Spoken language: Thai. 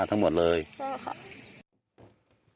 ทั้งหมดเลยใช่ค่ะ